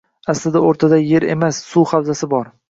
Aslida oʻrtada yer emas, suv havzasi bor